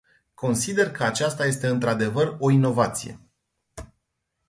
Consider că aceasta este într-adevăr o inovație.